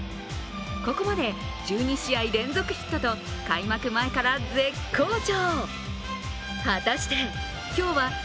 ここまで１２試合連続ヒットと開幕前から絶好調。